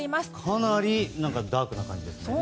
かなりダークな感じですね。